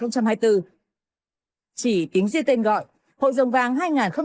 chỉ tiếng riêng tên gọi hội rồng vàng hai nghìn hai mươi bốn giáp thìn